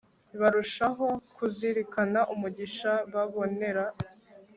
barushaho kuzirikana umugisha babonera